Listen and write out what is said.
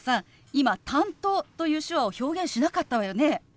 今「担当」という手話を表現しなかったわよね。